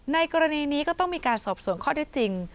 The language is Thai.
ในกรณีนี้ก็ต้องมีการสอบส่วนข้อได้จริง